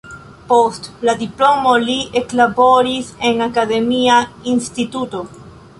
Post la diplomo li eklaboris en akademia instituto.